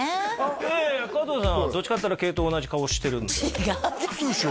いやいやいや加藤さんはどっちかっていったら系統同じ顔してるので違うでしょ